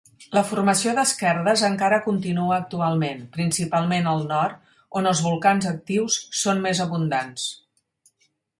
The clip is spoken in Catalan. La formació d'esquerdes encara continua actualment, principalment al nord, on els volcans actius són més abundants.